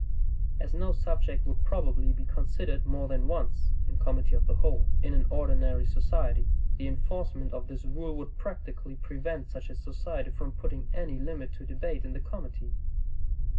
As no subject would probably be considered more than once in committee of the whole, in an ordinary society, the enforcement of this rule would practically prevent such a society from putting any limit to debate in the committee.